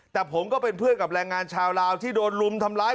แต่ผมก็เป็นเพื่อนกับแรงงานชาวลาวที่โดนรุมทำร้าย